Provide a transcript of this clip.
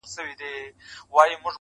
خوله یې وازه کړه آواز ته سمدلاسه،